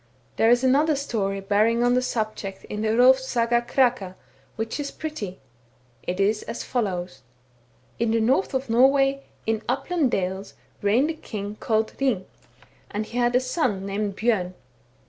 *'— (c. 5.) There is another story bearing on the subject in the Hrolfs Saga Kraka, which is pretty ; it is as follows :—In the north of Norway, in upland dales, reigned a king called Hring ; and he had a son named Bjom.